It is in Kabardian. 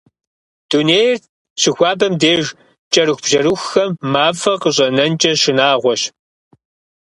Дунейр щыхуабэм деж кӏэрыхубжьэрыхухэм мафӏэ къащӏэнэнкӏэ шынагъуэщ.